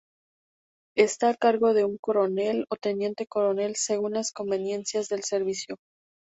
Está á cargo de un coronel ó teniente coronel según las conveniencias del servicio.